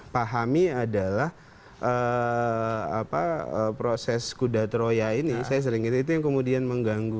pahami adalah proses kuda troya ini saya sering itu yang kemudian mengganggu